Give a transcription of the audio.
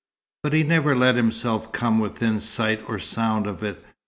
But he never let himself come within sight or sound of it.